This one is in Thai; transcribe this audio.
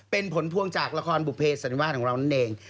เป็นผลพวงจากละครบุเภสันนิวาสของเรานั่นเอง